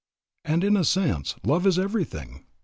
And in a sense love is everything.